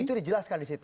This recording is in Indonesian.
itu dijelaskan di situ